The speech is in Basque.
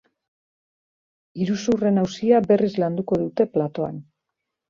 Iruzurren auzia berriz landuko dute platoan.